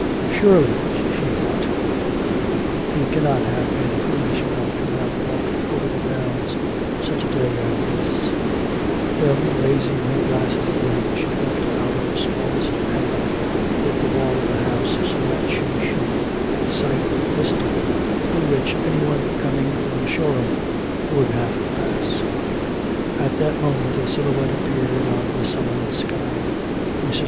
'Surely,' she thought, 'he cannot have been foolish enough to have walked over the downs such a day as this;' then, raising her glasses again, she looked out at the smallest angle with the wall of the house, so that she should get sight of a vista through which any one coming from Shoreham would have to pass. At that moment a silhouette appeared on the sullen sky. Mrs.